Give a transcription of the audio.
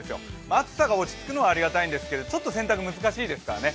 暑さが落ち着くのはありがたいんですけど、ちょっと洗濯、難しいですからね。